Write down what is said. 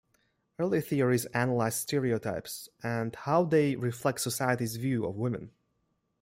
Early theories analyzed stereotypes and how they reflect society's view of women.